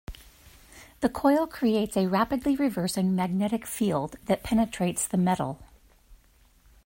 The coil creates a rapidly reversing magnetic field that penetrates the metal.